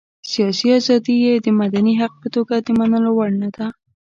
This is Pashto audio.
سياسي ازادي یې د مدني حق په توګه د منلو وړ نه ده.